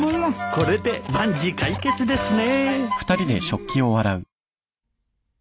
これで万事解決ですね。